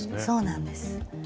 そうなんです。